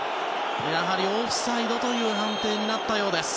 やはりオフサイドという判定になったようです。